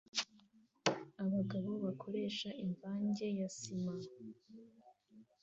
Abagabo bakoresha imvange ya sima